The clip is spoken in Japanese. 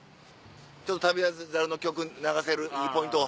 ちょっと『旅猿』の曲流せるいいポイント。